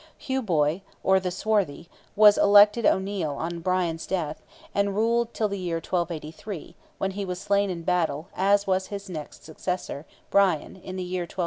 Hugh Boy, or the Swarthy, was elected O'Neil on Brian's death, and ruled till the year 1283, when he was slain in battle, as was his next successor, Brian, in the year 1295.